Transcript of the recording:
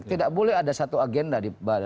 tidak boleh ada satu agenda di